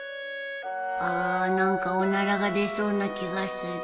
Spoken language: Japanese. あ何かおならが出そうな気がする